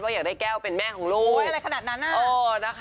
ว่าอยากได้แก้วเป็นแม่ของลูก